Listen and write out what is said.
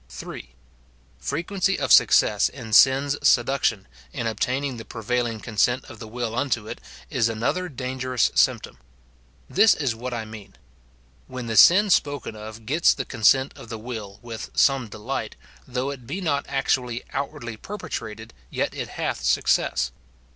3. Frequency of success in sin's seduction, in obtain ing the prevailing consent of the will unto it, is another * Jude 4. t Desire, inclination. 226 MORTIFICATION OF dangerous symptom. This is what I mean : when the sin spoken of gets the consent of the will with some delight, though it be not actually outwardly perpetrated, yet it hath success.